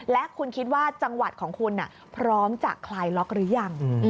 และคุณคิดว่าจังหวัดของคุณพร้อมจะคลายล็อกหรือยัง